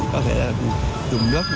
có thể dùng nước